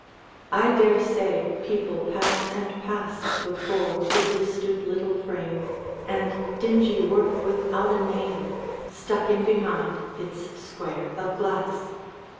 I dare say people pass and pass Before the blistered little frame, And dingy work without a name Stuck in behind its square of glass.